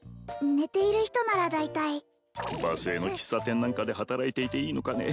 寝ている人なら大体場末の喫茶店なんかで働いていていいのかね？